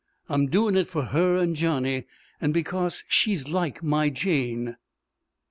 I'm doin' it for her an' Johnny, an' because she's like my Jane!"